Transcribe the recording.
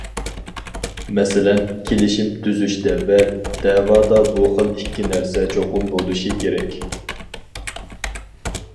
مەسىلەن، كېلىشىم تۈزۈشتە ۋە دەۋادا بۇ خىل ئىككى نەرسە چوقۇم بولۇشى كېرەك.